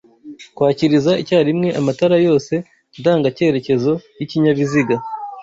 kwakiriza icyarimwe amatara yose ndangacyerekezo y'ikinyabiziga